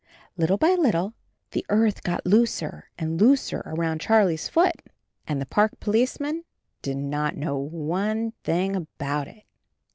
Little by little the earth got 46 CHARLIE looser and looser around Charlie's foot. And the Park Policeman did not know one thing about it.